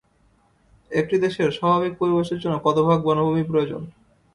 একটি দেশের স্বাভাবিক পরিবেশের জন্য কত ভাগ বনভূমি প্রয়োজন?